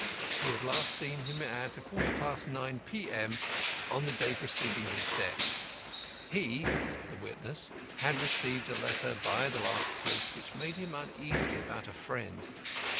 He had last seen him at a quarter past nine P.M. on the day preceding his death. He (witness) had received a letter by the last post which made him uneasy about a friend.